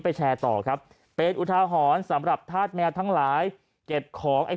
แชร์ต่อครับเป็นอุทาหรณ์สำหรับธาตุแมวทั้งหลายเก็บของไอ้